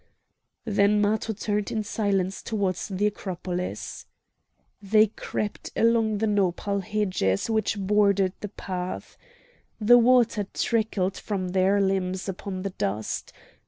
Then Matho turned in silence towards the Acropolis. They crept along the nopal hedges which bordered the paths. The water trickled from their limbs upon the dust.